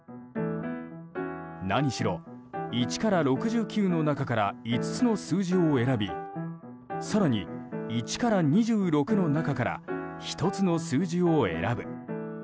何しろ、１から６９の中から５つの数字を選び更に１から２６の中から１つの数字を選ぶ。